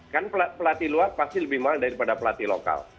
kan pelatih luar pasti lebih mahal daripada pelatih lokal